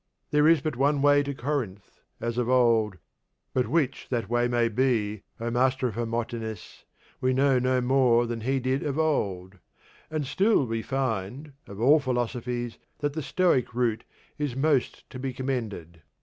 'There is but one way to Corinth,' as of old; but which that way may be, oh master of Hermotimus, we know no more than he did of old; and still we find, of all philosophies, that the Stoic route is most to be recommended.